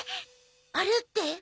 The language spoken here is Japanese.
あれって？